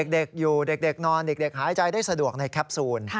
เด็กอยู่เด็กนอนเด็กหายใจได้สะดวกในแคปซูล